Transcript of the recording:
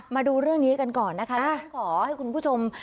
มาดูเรื่องนี้กันก่อนนะคะดิฉันขอให้คุณผู้ชม